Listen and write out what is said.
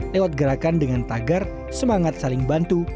lewat gerakan dengan tagar semangat saling bantu